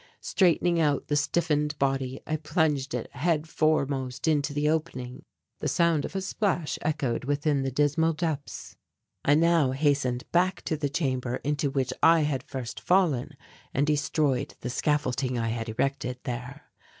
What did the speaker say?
Straightening out the stiffened body I plunged it head foremost into the opening. The sound of a splash echoed within the dismal depths. I now hastened back to the chamber into which I had first fallen and destroyed the scaffolding I had erected there.